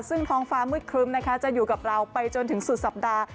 ซึ่งท้องฟ้ามืดครึ้มนะคะจะอยู่กับเราไปจนถึงสุดสัปดาห์